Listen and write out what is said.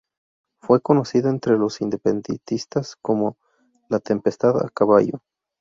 Fue conocido entre los independentistas como "La tempestad a caballo".